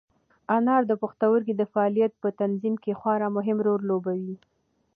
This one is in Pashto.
انار د پښتورګو د فعالیت په تنظیم کې خورا مهم رول لوبوي.